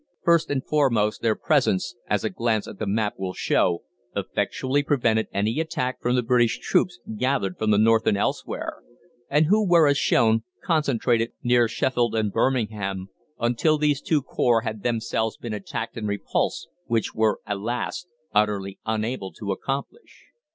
First and foremost their presence, as a glance at the map will show, effectually prevented any attack from the British troops gathered from the north and elsewhere, and who were, as shown, concentrated near Sheffield and Birmingham, until these two corps had themselves been attacked and repulsed, which we were, alas! utterly unable to accomplish.